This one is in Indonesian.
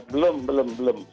belum belum belum